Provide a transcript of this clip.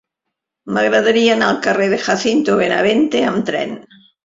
M'agradaria anar al carrer de Jacinto Benavente amb tren.